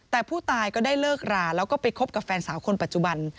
แต่ผู้ตายก็ได้เลิกราแล้วก็ไปคบกับแฟนสาวคนปัจจุบัน